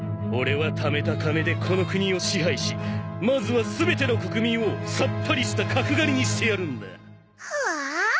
オレはためた金でこの国を支配しまずは全ての国民をさっぱりした角刈りにしてやるんだ。はあ？